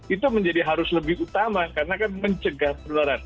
itu menjadi harus lebih utama karena kan mencegah penularan